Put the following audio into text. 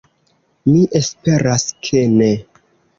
Mi esperas ke ne.